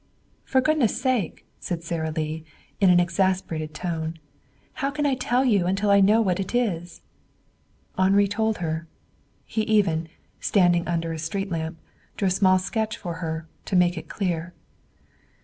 "For goodness' sake," said Sara Lee in an exasperated tone, "how can I tell you until I know what it is?" Henri told her. He even, standing under a street lamp, drew a small sketch for her, to make it clear.